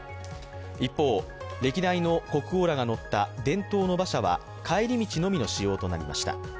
一方、歴代の国王らが乗った伝統の馬車は、帰り道のみの使用となりました。